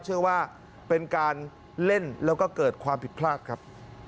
เชื่อว่าเป็นการเล่นแล้วก็เกิดความผิดพลาดครับ